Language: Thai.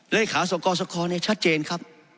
เลขาสกสคชัดเจนครับ